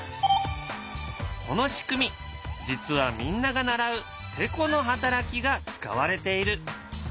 この仕組み実はみんなが習う「てこのはたらき」が使われている。